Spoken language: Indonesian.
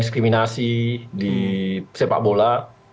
diskriminasi di sepak bola